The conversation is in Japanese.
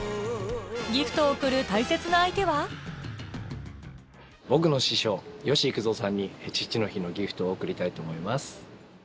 ギフトを贈る大切な相手は僕の師匠吉幾三さんに父の日のギフトを贈りたいと思います。